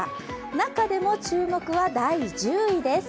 中でも注目は第１０位です。